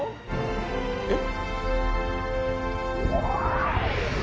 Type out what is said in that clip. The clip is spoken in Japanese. えっ？